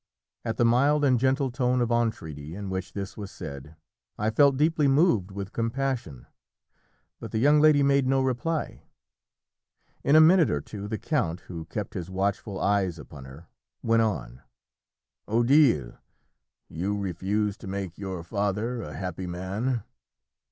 At the mild and gentle tone of entreaty in which this was said I felt deeply moved with compassion; but the young lady made no reply. In a minute or two the count, who kept his watchful eyes upon her, went on "Odile, you refuse to make your father a happy man?